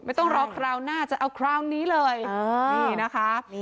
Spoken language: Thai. ต้องรอคราวหน้าจะเอาคราวนี้เลยนี่นะคะ